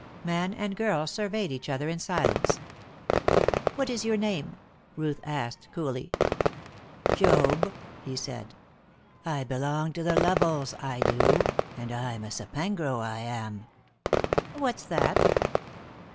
Man and girl surveyed each other in silence. "What is your name?" Ruth asked coolly. "Job," he said. "I belong to the Lovels, I do. And I'm a Sapengro, I am." "What's that?"